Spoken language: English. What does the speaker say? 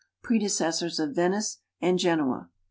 Predecessors of Venice and Genoa.